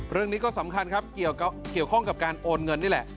เรื่องนี้ก็สำคัญครับเกี่ยวข้องกับการโอนเงินนี่แหละ